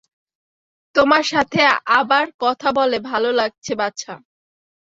তোমার সাথে আবার কথা বলে ভালো লাগছে, বাছা।